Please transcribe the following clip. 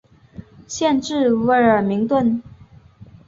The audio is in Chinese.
县治威尔明顿。